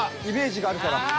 イメージがあるから。